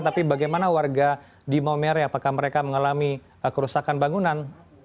tapi bagaimana warga di maumere apakah mereka mengalami kerusakan bangunan